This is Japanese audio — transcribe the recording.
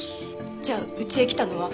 じゃあうちへ来たのは。